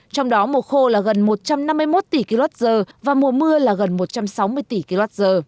trong đó mùa khô là gần một trăm năm mươi một tỷ kwh và mùa mưa là gần một trăm sáu mươi tỷ kwh